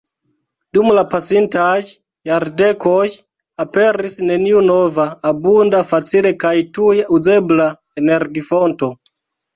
Dum la pasintaj jardekoj aperis neniu nova, abunda, facile kaj tuj uzebla energifonto.